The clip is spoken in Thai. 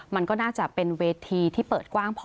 มันก็น่าจะเป็นเวทีที่เปิดกว้างพอ